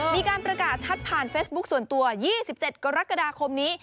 มีการประกาศชัดผ่านเฟซบุ๊คส่วนตัว๒๗กรกฎาคมนี้